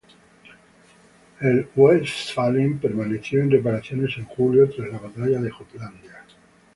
El "Westfalen" permaneció en reparaciones en julio, tras la batalla de Jutlandia.